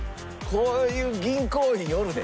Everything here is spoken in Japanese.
こういう銀行員おるで。